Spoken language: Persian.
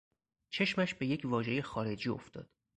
چشمش به یک واژهی خارجی افتاد.